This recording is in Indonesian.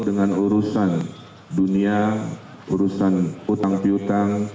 dengan urusan dunia urusan utang piutang